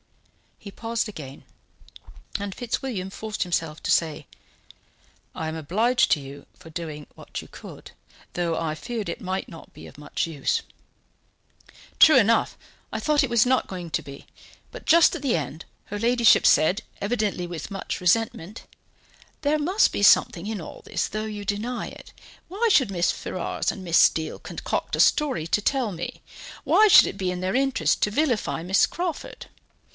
He paused again, and Fitzwilliam forced himself to say: "I am obliged to you for doing what you could, though I feared it might not be of much avail." "True enough, I thought it was not going to be, but just at the end, her ladyship said, evidently with much resentment: 'There must be something in all this, though you deny it. Why should Mrs. Ferrars and Miss Steele concoct a story to tell me? Why should it be in their interest to vilify Miss Crawford?